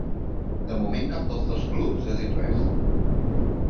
De moment cap dels dos clubs ha dit res.